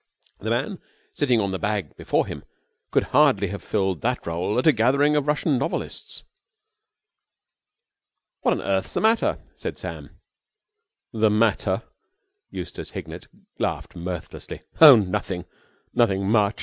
The man sitting on the bag before him could hardly have filled that role at a gathering of Russian novelists. "What on earth's the matter?" said Sam. "The matter?" Eustace Hignett laughed mirthlessly. "Oh, nothing. Nothing much.